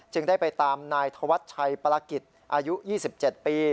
ได้ไปตามนายธวัชชัยปรกิจอายุ๒๗ปี